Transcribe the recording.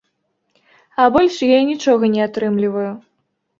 А больш я нічога не атрымліваю.